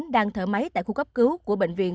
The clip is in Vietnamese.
đang thở máy tại khu cấp cứu của bệnh viện